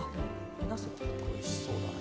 おいしそうだな。